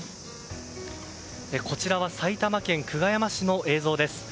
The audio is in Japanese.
こちらは埼玉県熊谷市の映像です。